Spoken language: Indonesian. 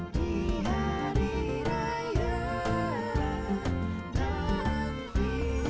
di hari raya dan fi'i